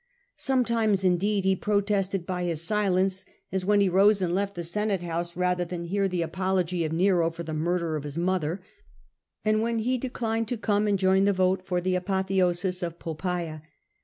Sometimes, indeed, he protested by his silence, as when he rose and left the Senate house rather than hear the apology of Nero for the murder of his mother, and when he declined to come and join the vote for the apotheosis of Poppaea.